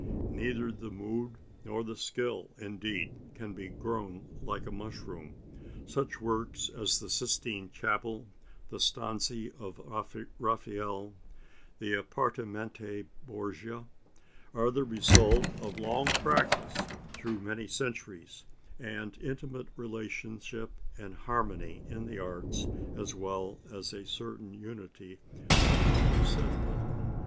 Neither the mood nor the skill, indeed, can be grown like a mushroom; such works as the Sistine Chapel, the Stanzi of Raphael, or the Apartimenti Borgia, are the result of long practice through many centuries, and intimate relationship and harmony in the arts, as well as a certain unity of public sentiment.